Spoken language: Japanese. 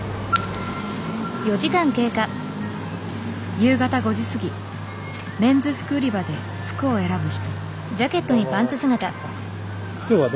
夕方５時過ぎメンズ服売り場で服を選ぶ人。